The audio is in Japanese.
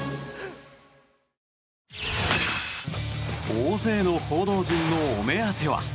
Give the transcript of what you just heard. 大勢の報道陣のお目当ては。